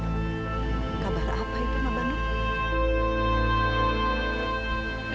kabar apa itu aba nur